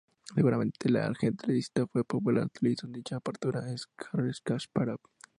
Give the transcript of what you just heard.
Seguramente el ajedrecista más popular que utilizó dicha apertura es Garry Kaspárov.